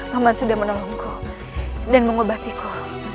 maman sudah menolongku dan mengobatiku